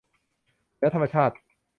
เหนือธรรมชาติ